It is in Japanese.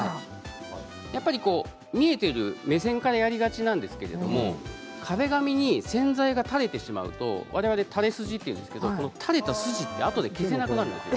やっぱり見えている目線からやりがちなんですけれども壁紙に洗剤が垂れてしまうとわれわれ、たれ筋というんですけれども垂れた筋はあとから消せなくなるんです。